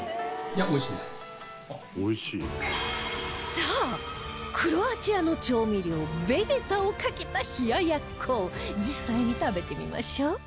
さあクロアチアの調味料ベゲタをかけた冷奴実際に食べてみましょう